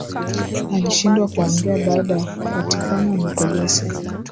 Alishindwa kuongea baada ya kupatikana na polisi